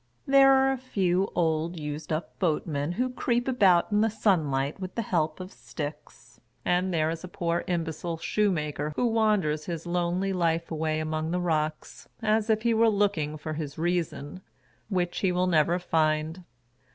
There are a few old used up boatmen who creep about in the sunlight with the help of sticks, and there is a poor imbecile shoemaker who wanders his lonely life away among the rocks, as if he were looking for his reason — which he will never find.